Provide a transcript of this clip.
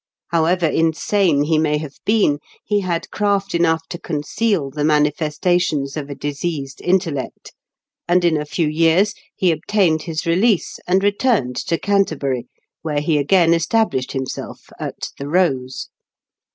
However insane he may have been, he had craft enough to conceal the manifestations of a diseased intellect ; and in a few years he obtained his release, and returned to Canterbury, where he again established himself at The Rose.